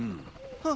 あっ。